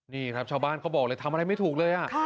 นี่ครับชาวบ้านเขาบอกเลยทำอะไรไม่ถูกเลย